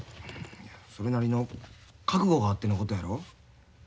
それなりの覚悟があってのことやろ。